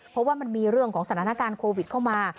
เพราะว่ามันมีเรื่องของสถานการณ์โควิดเข้ามา